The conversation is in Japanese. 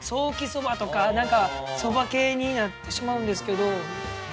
何かそば系になってしまうんですけど。